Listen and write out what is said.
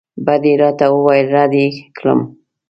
بد یې راته وویل رد یې کړم.